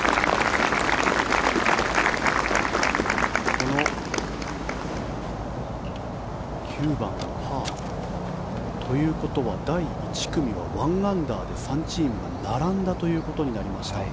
この９番はパーということは第１組は１アンダーで３チームが並んだということになりました。